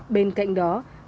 bên cạnh đó